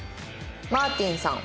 「マーティンさん。